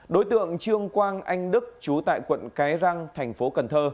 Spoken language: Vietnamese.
đối tượng trương quang anh đức chú tại quận cái răng thành phố cần thơ